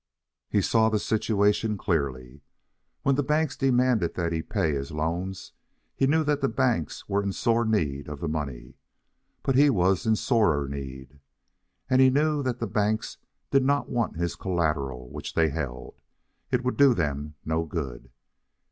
He saw the situation clearly. When the banks demanded that he pay his loans, he knew that the banks were in sore need of the money. But he was in sorer need. And he knew that the banks did not want his collateral which they held. It would do them no good.